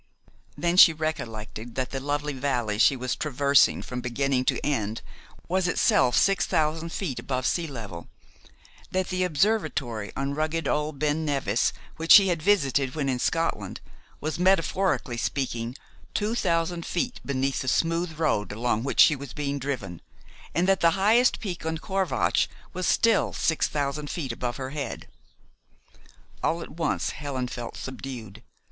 Then she recollected that the lovely valley she was traversing from beginning to end was itself six thousand feet above sea level, that the observatory on rugged old Ben Nevis, which she had visited when in Scotland, was, metaphorically speaking, two thousand feet beneath the smooth road along which she was being driven, and that the highest peak on Corvatsch was still six thousand feet above her head. All at once, Helen felt subdued.